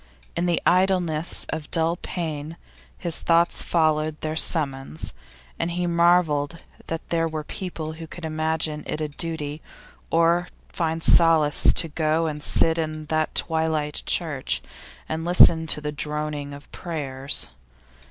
In the idleness of dull pain his thoughts followed their summons, and he marvelled that there were people who could imagine it a duty or find it a solace to go and sit in that twilight church and listen to the droning of prayers.